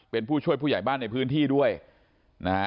เป็นผู้ช่วยผู้ใหญ่บ้านในพื้นที่ด้วยนะฮะ